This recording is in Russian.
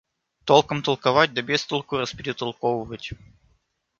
Толком толковать, да без толку расперетолковывать.